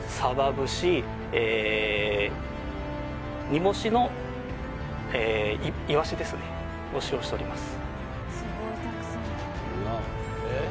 煮干しのイワシですねを使用しております